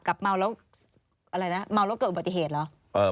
กับเมาแล้วเกิดอุบัติเหตุเหรอ